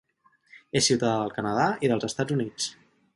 És ciutadà del Canadà i dels Estats Units.